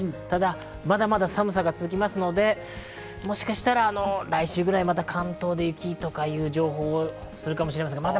ただ、まだまだ寒さは続きますので、もしかしたら来週くらい、関東で雪という情報をお伝えするかもしれません。